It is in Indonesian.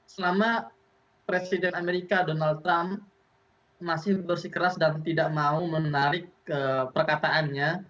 selama presiden amerika donald trump masih bersikeras dan tidak mau menarik perkataannya